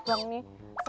abang tuh udah berantem